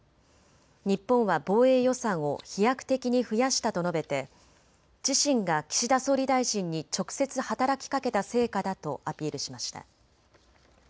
日本は防衛予算を飛躍的に増やしたと述べて自身が岸田総理大臣に直接働きかけた成果だとアピールしました。